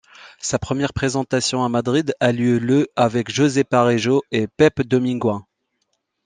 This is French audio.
Sa première présentation à Madrid a lieu le avec José Parejo et Pepe Dominguín.